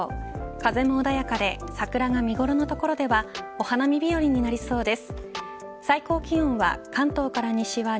風も穏やかで桜が見頃の所ではお花見日和になりそうです。